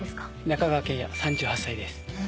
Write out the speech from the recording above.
中川健也３８歳です。